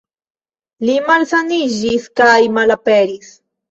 Li malsaniĝis kaj malaperis.